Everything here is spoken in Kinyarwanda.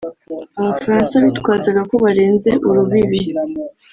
Abafaransa bitwazaga ko barenze urubibi